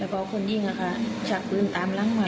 แล้วก็คนยิงชักปืนตามหลังมา